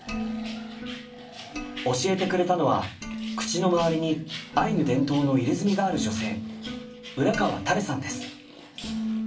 教えてくれたのは口の周りにアイヌ伝統の入れ墨がある女性浦川タレさんです。